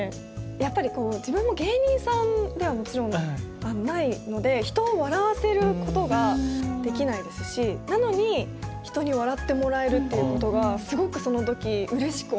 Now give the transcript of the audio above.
やっぱり自分も芸人さんではもちろんないので人を笑わせることができないですしなのに人に笑ってもらえるっていうことがすごくその時うれしく思って。